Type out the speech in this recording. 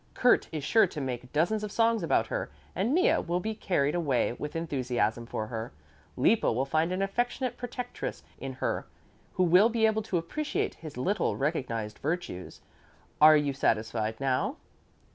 Kurt is sure to make dozens of songs about her and Mea will be carried away with enthusiasm for her. Lippo will find an affectionate protectress in her who will be able to appreciate his little recognized virtues. Are you satisfied now?"